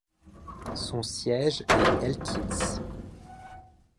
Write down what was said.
Son siège est Elkins.